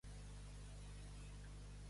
En gran mal, Déu ajuda.